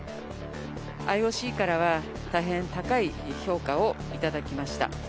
ＩＯＣからは、大変高い評価をいただきました。